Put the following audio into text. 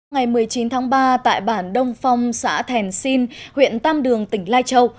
ngày một mươi chín tháng ba tại bản đông phong xã thèn sinh huyện tam đường tỉnh lai châu